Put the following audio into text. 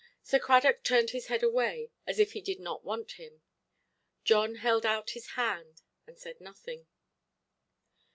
Sir Cradock turned his head away, as if he did not want him. John held out his hand, and said nothing.